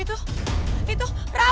itu itu rafa